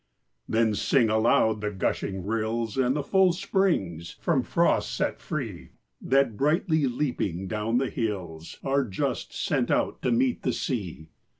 Then sing aloud the gushing rills And the full springs, from frosts set free, That, brightly leaping down the hills, Are just sent out to meet the sea.